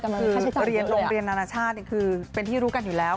คือเรียนโรงเรียนนานาชาติคือเป็นที่รู้กันอยู่แล้ว